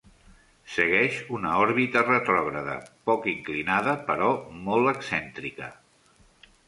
Segueix una òrbita retrògrada, poc inclinada però molt excèntrica.